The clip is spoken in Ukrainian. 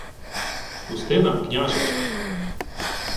— Пусти нам княжича.